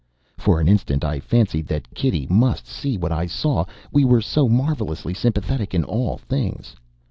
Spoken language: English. For an instant I fancied that Kitty must see what I saw we were so marvelously sympathetic in all things.